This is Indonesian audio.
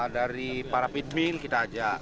dari para pitming kita ajak